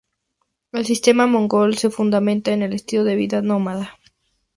El sistema mongol se fundamentaba en el estilo de vida nómada.